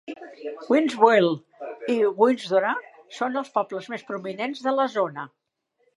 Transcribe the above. Birdsville i Windorah són els pobles més prominents de la zona.